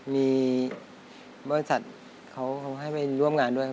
มีบริษัทเขาให้ไปร่วมงานด้วย